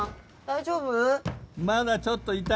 大丈夫？